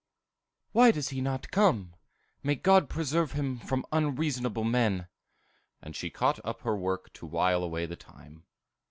"Why does he not come? May God preserve him from unreasonable men;" and she caught up her work to while away the time.